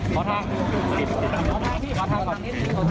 ขอทางพี่ขอทางก่อน